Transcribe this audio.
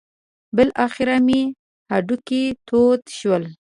بالاخره مې هډوکي تود شول.